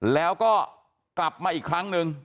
แล้วก็กลับมาอีกครั้งหนึ่ง